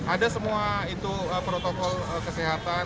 ada semua protokol kesehatan